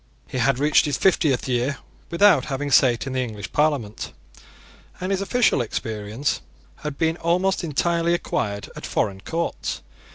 He had reached his fiftieth year without having sate in the English Parliament; and his official experience had been almost entirely acquired at foreign courts.